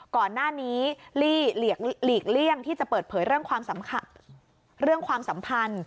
ก่อนหน้านี้หลีกเลี่ยงที่จะเปิดเผยเรื่องความเรื่องความสัมพันธ์